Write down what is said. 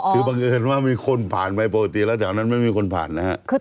คือบังเอิญว่ามีคนผ่านไปปกติแล้วจากนั้นไม่มีคนผ่านนะครับ